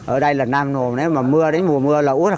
ở đây là nam ngồn nếu mà mưa đến mùa mưa là út